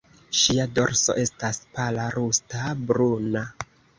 Ŝia dorso estas pala rusta-bruna.